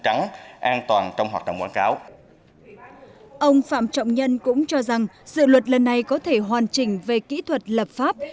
ông phạm trọng nhân cũng cho rằng dự luật lần này có thể hoàn chỉnh về kỹ thuật lập pháp